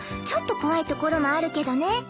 ちょっと怖いところもあるけどね。